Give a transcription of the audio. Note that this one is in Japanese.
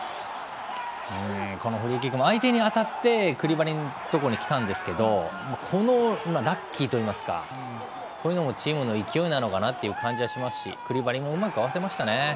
このフリーキックも相手に当たってクリバリのところに来たんですけどこのラッキーといいますかこういうのもチームの勢いなのかなという感じもしますしクリバリもうまく合わせましたね。